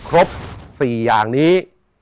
ครบ๔อย่างนี้